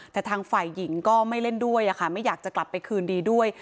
แต่ทางฝ่ายหญิงก็ไม่เล่นด้วยไม่อยากจะกลับไปคืนดีด้วย